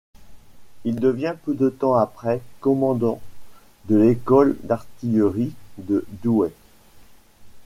Il devient peu de temps après commandant de l'École d'artillerie de Douai.